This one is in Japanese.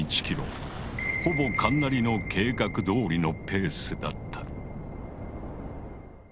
ほぼ神成の計画どおりのペースだった。